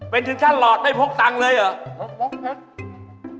เป็นถึงขั้นหลอดไม่พกตังค์เลยเหรอ